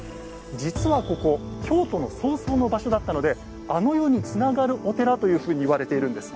実はここ京都の葬送の場所だったのであの世につながるお寺というふうに言われているんです。